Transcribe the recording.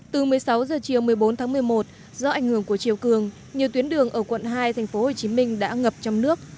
từ một mươi sáu h chiều một mươi bốn tháng một mươi một do ảnh hưởng của chiều cường nhiều tuyến đường ở quận hai tp hcm đã ngập trong nước